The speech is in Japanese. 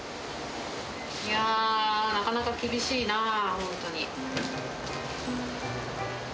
いやー、なかなか厳しいな、本当に。